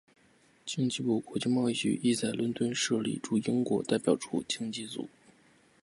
经济部国际贸易局亦在伦敦设立驻英国代表处经济组。